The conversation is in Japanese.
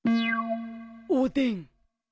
おでん。